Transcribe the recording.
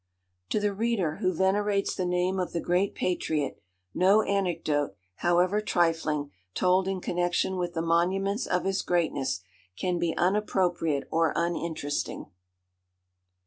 '" To the reader who venerates the name of the great Patriot, no anecdote, however trifling, told in connexion with the monuments of his greatness, can be unappropriate or uninteresting.